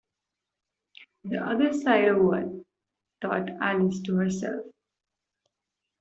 The other side of what?’ thought Alice to herself.